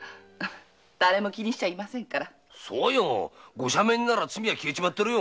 ご赦免になりゃ罪は消えちまってるよ。